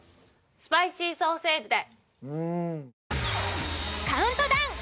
スパイシーソーセージで。